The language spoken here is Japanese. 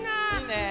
ねえ！